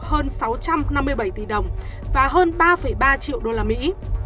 hơn sáu trăm năm mươi bảy tỷ đồng và hơn ba ba triệu đô la mỹ